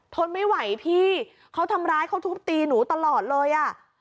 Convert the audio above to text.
ทนไม่ไหวพี่เขาทำร้ายเขาทุบตีหนูตลอดเลยอ่ะ